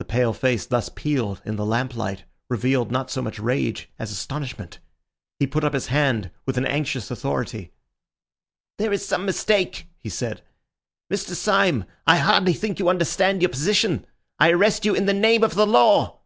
The pale face thus peeled in the lamplight revealed not so much rage as astonishment. He put up his hand with an anxious authority. "There is some mistake," he said. "Mr. Syme, I hardly think you understand your position. I arrest you in the name of the law."